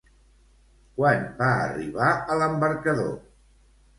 Quan van arribar a l'embarcador?